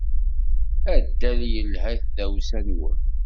Addal yelha i tdawsa-nwen.